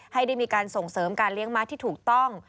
ให้ได้มีการส่งเสริมการเลี้ยงม้าที่ถูกต้อง